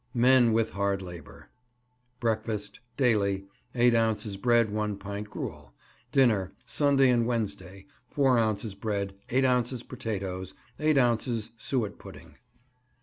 MEN WITH HARD LABOUR. Breakfast Daily 8 ounces bread, 1 pint gruel. Dinner Sunday and Wednesday 4 ounces bread, 8 ounces potatoes, 8 ounces suet pudding.